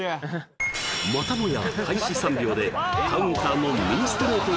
またもや開始３秒でカウンターの右ストレート